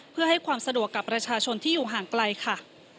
เพื่อให้ความสะดวกกับประชาชนที่อยู่ห่างไกลค่ะ